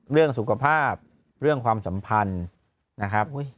เรื่องสุขภาพเรื่องความสัมพันธ์นะครับ